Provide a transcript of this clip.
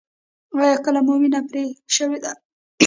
ایا کله مو وینه پرې شوې ده؟